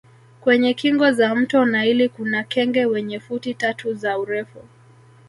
Kwenye kingo za mto naili kuna kenge wenye futi tatu za urefu